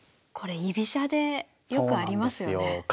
これ居飛車でよくありますよね。